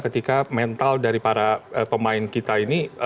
ketika mental dari para pemain kita ini